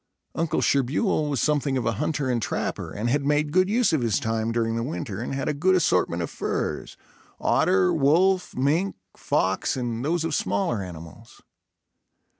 Uncle Sherbuel was something of a hunter and trapper, and had made good use of his time during the winter and had a good assortment of furs, otter, wolf, mink, fox and those of smaller animals.